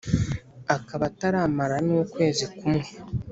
akaba ataramara nukwezi kumwe